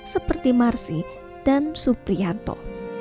seperti marsi dan suprianto